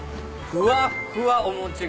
ふわっふわお餅が。